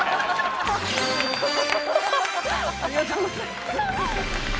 ありがとうございます。